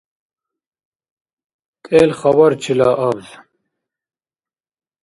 КӀел хабарчила абз